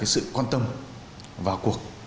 sự quan tâm vào cuộc